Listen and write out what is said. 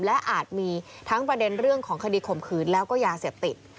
และอาจมีทั้งประเด็นเรื่องของคดีข่มขืนแล้วก็ยาเสพติด